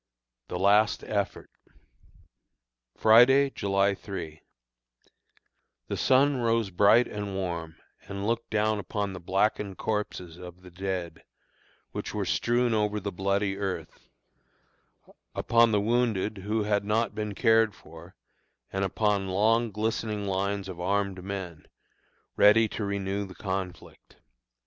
THE LAST EFFORT. Friday, July 3. The sun rose bright and warm, and looked down upon the blackened corpses of the dead, which were strewn over the bloody earth; upon the wounded who had not been cared for, and upon long glistening lines of armed men, ready to renew the conflict.